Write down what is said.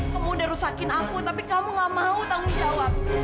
kamu udah rusakin aku tapi kamu gak mau tanggung jawab